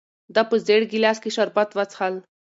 ده په زېړ ګیلاس کې شربت وڅښل.